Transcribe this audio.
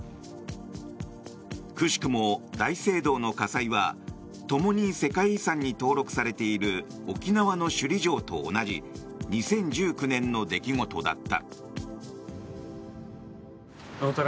くしくも大聖堂の火災はともに世界遺産に登録されている沖縄の首里城と同じ２０１９年の出来事だった。